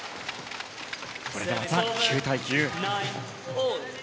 これでまた９対９。